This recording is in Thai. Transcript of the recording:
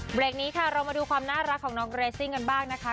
เบรกนี้ค่ะเรามาดูความน่ารักของน้องเรซิ่งกันบ้างนะคะ